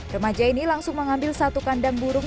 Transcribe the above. remaja ini langsung mengambil satu kandang burung